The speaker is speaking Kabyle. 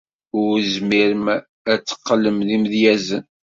Ur tezmirem ad teqqlem d imedyazen.